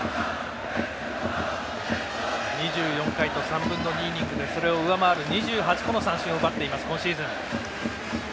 ２４回と３分の２イニングでそれを上回る２８個の三振を奪っています、今シーズン。